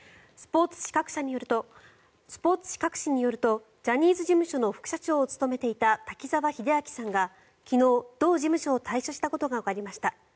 スポーツ紙各紙によるとジャニーズ事務所の副社長を務めていた滝沢秀明さんが昨日、同事務所を退社したことがわかりました。